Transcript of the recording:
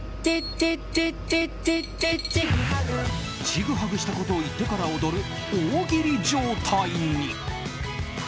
チグハグしたことを言ってから踊る大喜利状態に。